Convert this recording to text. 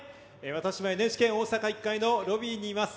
私はＮＨＫ大阪１階のロビーにいます。